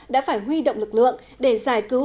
đã phải huy động lực lượng để giải cứu